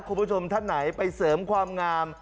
คุณผู้ชมท่านไหนไปเสริมความงาม